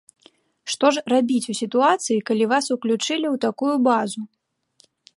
Што ж рабіць у сітуацыі, калі вас уключылі ў такую базу?